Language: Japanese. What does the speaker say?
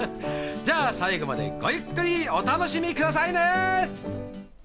じゃあ最後までごゆっくりお楽しみくださいね。